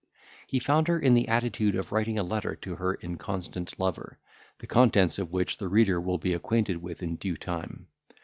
He found her in the attitude of writing a letter to her inconstant lover, the contents of which the reader will be acquainted with in due time.